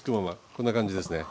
こんな感じですね。